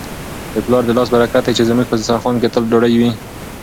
د پلار د لاس برکت دی چي زموږ په دسترخوان کي تل ډوډۍ وي.